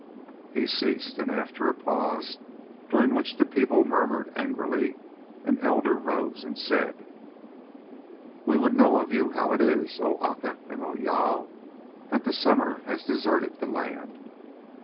He ceased, and after a pause, during which the people murmured angrily, an elder rose and said: "We would know of you how it is, O Aca and O Jâl, that the summer has deserted the land.